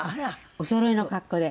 おそろいの格好で。